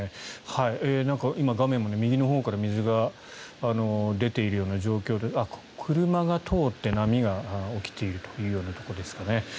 今、画面の右のほうから水が出ているような状況で車が通って波が起きているというようなところですかね。